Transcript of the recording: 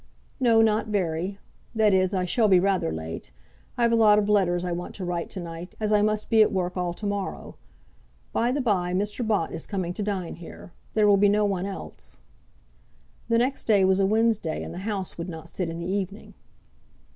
"No, not very; that is, I shall be rather late. I've a lot of letters I want to write to night, as I must be at work all to morrow. By the by, Mr. Bott is coming to dine here. There will be no one else." The next day was a Wednesday, and the House would not sit in the evening.